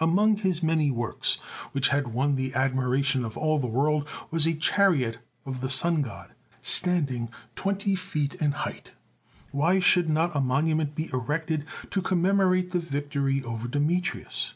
Among his many works, which had won the admiration of all the world, was a chariot of the Sun god, standing twenty five feet in height. Why should not a monument be erected to com memorate the victory over Demetrius?